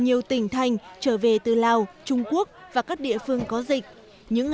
nhiều tỉnh thành trở về từ lào trung quốc và các địa phương có dịch những